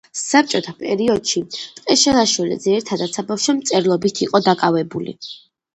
საბჭოთა პერიოდში ტყეშელაშვილი ძირითადად საბავშვო მწერლობით იყო დაკავებული.